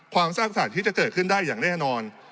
สร้างสรรค์ที่จะเกิดขึ้นได้อย่างแน่นอน